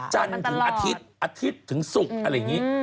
จันทร์ถึงอาทิตย์อาทิตย์ถึงศุกร์อะไรอย่างนี้